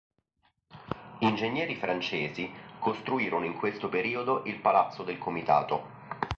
Ingegneri francesi costruirono in questo periodo il Palazzo del Comitato.